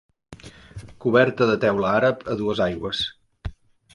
Coberta de teula àrab a dues aigües.